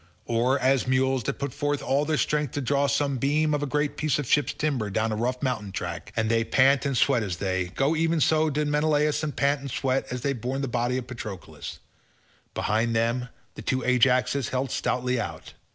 Or as mules that put forth all their strength to draw some beam or great piece of ship's timber down a rough mountain track, and they pant and sweat as they go—even so did Menelaus and Meriones pant and sweat as they bore the body of Patroclus. Behind them the two Ajaxes held stoutly out.